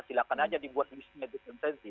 silahkan saja dibuat listnya di kontensi